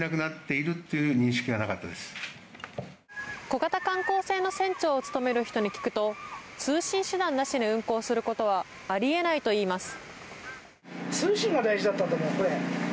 小型観光船の船長を務める人によると通信手段なしに運航することはあり得ないといいます。